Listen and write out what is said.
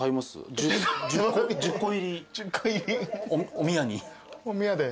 おみやで。